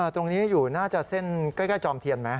ตรงนี้อยู่น่าจะเส้นใกล้จอมเทียนไหม